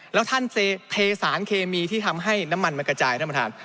แล้วท่านเทสารเคมีที่ทำให้น้ำมันมันกระจายท่านประธาน